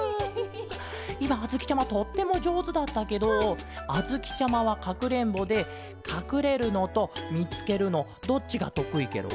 いまあづきちゃまとってもじょうずだったけどあづきちゃまはかくれんぼでかくれるのとみつけるのどっちがとくいケロ？